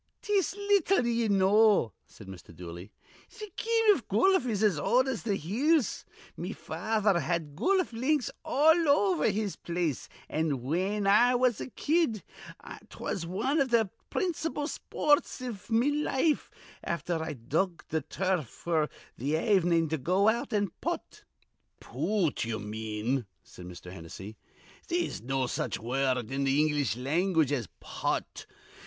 "'Tis little ye know," said Mr. Dooley. "Th' game iv goluf is as old as th' hills. Me father had goluf links all over his place, an', whin I was a kid, 'twas wan iv th' principal spoorts iv me life, afther I'd dug the turf f'r th' avenin', to go out and putt" "Poot, ye mean," said Mr. Hennessy. "They'se no such wurrud in th' English language as putt.